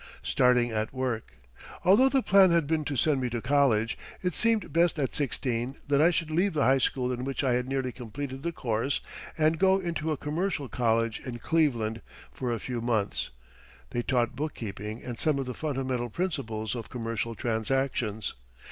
STARTING AT WORK Although the plan had been to send me to college, it seemed best at sixteen that I should leave the high school in which I had nearly completed the course and go into a commercial college in Cleveland for a few months. They taught bookkeeping and some of the fundamental principles of commercial transactions.